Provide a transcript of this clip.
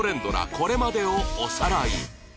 これまでをおさらい